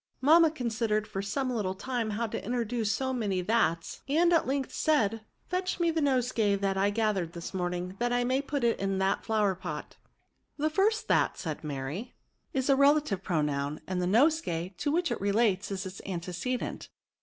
Mamma considered for some little time how to introduce so maay thats^ and at length said :*' Fetch me the nosegay that I gathered this morning, that I may put it in that flowerpot." DEMONSTRATIVE PRONOUNS. 201 « The first ^Aa^," said Mary, " is a relative pronoun; and the nosegay^ to which itrelates^ is its antecedent.